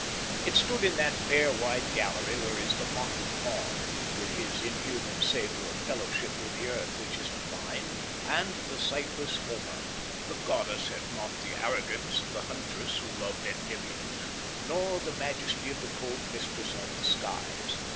It stood in that fair wide gallery where is the mocking faun, with his inhuman savour of fellowship with the earth which is divine, and the sightless Homer. The goddess had not the arrogance of the huntress who loved Endymion, nor the majesty of the cold mistress of the skies.